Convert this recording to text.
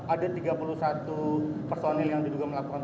ada tiga puluh satu personil yang diduga melakukan